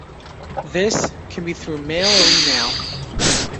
This can be through mail or email.